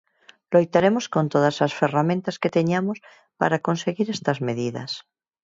Loitaremos con todas as ferramentas que teñamos para conseguir estas medidas.